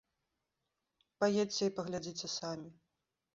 Паедзьце і паглядзіце самі.